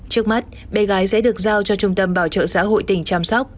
trước mắt bé gái sẽ được giao cho trung tâm bảo trợ xã hội tỉnh chăm sóc